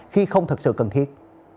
khi không thực sự cần thiết